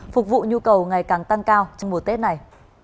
phục vụ nhu cầu ngày càng tăng cao trong mùa tết này